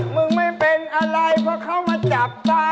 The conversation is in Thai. มึงไม่เป็นอะไรเพราะเขามาจับตา